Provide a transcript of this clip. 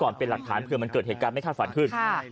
ก่อนและก่อนเป็นหลักถาณเผื่อมันเกิดเหตุการณ์ไม่ขาดฝันขึ้นนะฮะ